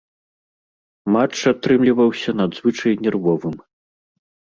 Матч атрымліваўся надзвычай нервовым.